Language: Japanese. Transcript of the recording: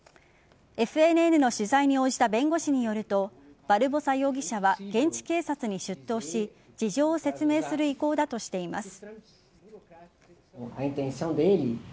ＦＮＮの取材に応じた弁護士によるとバルボサ容疑者は現地警察に出頭し事情を説明する意向だとしています。